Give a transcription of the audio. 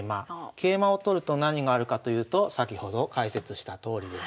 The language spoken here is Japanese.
桂馬を取ると何があるかというと先ほど解説したとおりです。